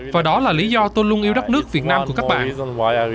và đó là lý do tôi luôn yêu đất nước việt nam của các bạn